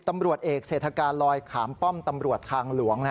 ตำรวจเอกเศรษฐการลอยขามป้อมตำรวจทางหลวง